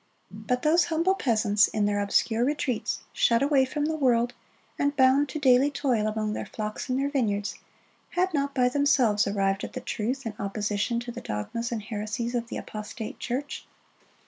But those humble peasants, in their obscure retreats, shut away from the world, and bound to daily toil among their flocks and their vineyards, had not by themselves arrived at the truth in opposition to the dogmas and heresies of the apostate church.